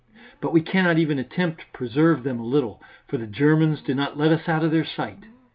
But we cannot even attempt to preserve them a little, for the Germans do not let us out of their sight.